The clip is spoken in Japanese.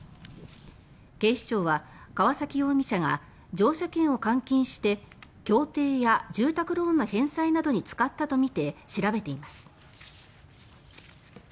警視庁は、川崎容疑者が乗車券を換金して競艇や住宅ローンの返済などに使ったとみて調べています。